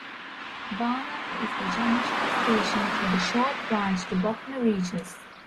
Barnham is the junction station for the short branch to Bognor Regis.